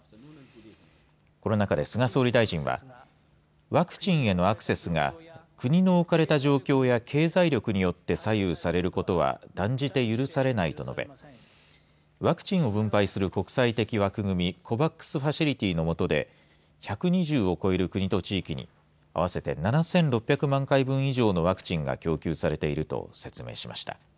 この中で菅総理大臣はワクチンへのアクセスが国の置かれた状況や経済力によって左右されることは断じて許されないと述べワクチンを分配する国際的枠組みＣＯＶＡＸファシリティのもとで１２０を超える国と地域に合わせて７６００万回分以上のワクチンが供給されていると説明しました。